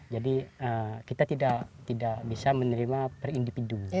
jadi kita tidak bisa menerima per individu